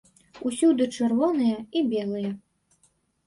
Усюды чырвоныя і белыя.